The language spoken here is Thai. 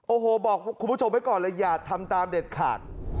โอ้โหบอกคุณผู้ชมไว้ก่อนเลยอย่าทำตามเด็ดขาด